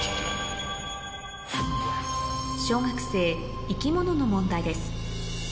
小学生生き物の問題です